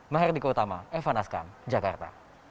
mardika utama evan askan jakarta